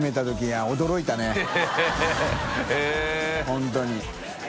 本当に。